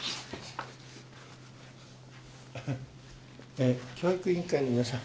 えー教育委員会の皆さん。